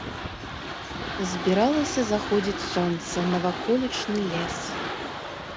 Збіралася заходзіць сонца на ваколічны лес.